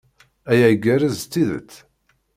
Aya igerrez s tidet.